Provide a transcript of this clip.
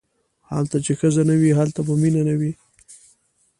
هلته چې ښځه نه وي هلته به مینه نه وي.